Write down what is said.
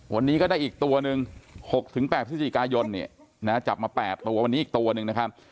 วันนี้ก็ได้อีกตัวหนึ่ง๖๘พฤศจิกายนจับมา๘ตัววันนี้อีกตัวหนึ่งนะครับ